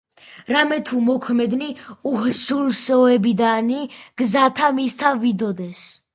რამეთუ არა მოქმედნი უჰსჯულოებისანი გზათა მისთა ვიდოდეს.